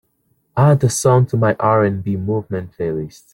Add the song to my R&B Movement playlist.